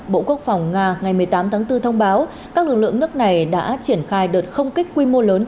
bộ quốc phòng nga ngày một mươi tám tháng bốn thông báo các lực lượng nước này đã triển khai đợt không kích quy mô lớn